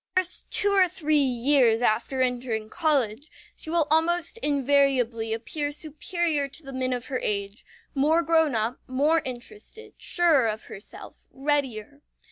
In the first two or three years after entering college, she will almost invariably appear superior to the men of her age, more grown up, more interested, surer of herself, readier.